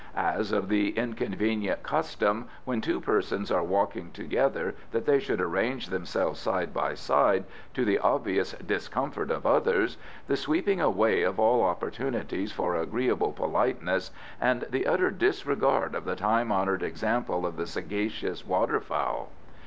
As of the inconvenient custom when two persons are walking together that they should arrange themselves side by side, to the obvious discomfort of others, the sweeping away of all opportunities for agreeable politeness, and the utter disregard of the time honoured example of the sagacious water fowl.